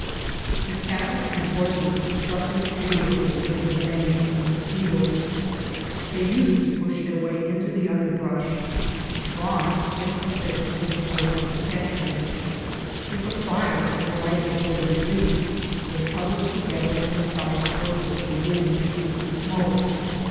The cattle and horses suffered pitiably during the reign of the mosquitoes. They used to push their way into the underbrush to try if a thicket would afford them protection ; if a fire were lighted for their relief, they huddled together on the side towards which the wind blew the smoke.